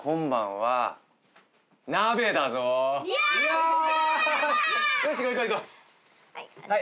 はい。